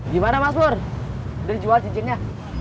gimana mas bur udah jual cincinnya